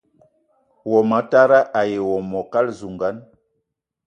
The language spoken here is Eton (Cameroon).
Wo motara ayi wo mokal zugan